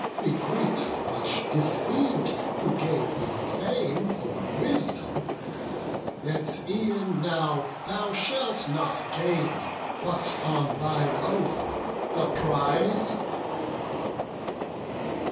we Greeks are much deceiv'd Who give thee fame for wisdom! yet e'en now Thou shalt not gain, but on thine oath, the prize."